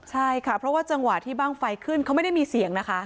ใช่ค่ะเพราะว่าจังหวะที่บ้างไฟขึ้นเขาไม่ได้มีเสียงนะคะ